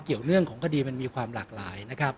ก็ต้องทำอย่างที่บอกว่าช่องคุณวิชากำลังทำอยู่นั่นนะครับ